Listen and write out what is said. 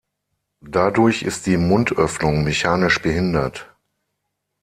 Dadurch ist die Mundöffnung mechanisch behindert.